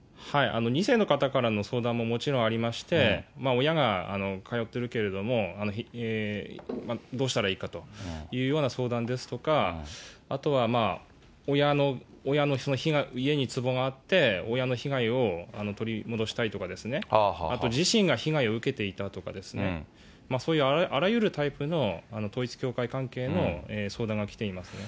２世の方からの相談ももちろんありまして、親が通ってるけれども、どうしたらいいかというような相談ですとか、あとは親の、家に壺があって、親の被害を取り戻したいとかですね、あと、自身が被害を受けていたとかですね、そういうあらゆるタイプの統一教会関係の相談がきていますね。